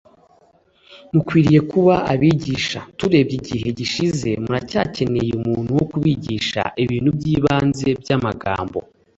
mukwiriye kuba abigisha t urebye igihe gishize muracyakeneye umuntu wo kubigisha ibintu by ibanze by amagambo